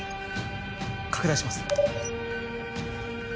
拡大します。